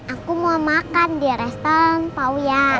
aku mau makan di restoran pak wia